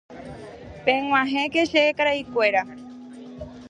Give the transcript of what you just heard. peg̃uahẽke che karaikuéra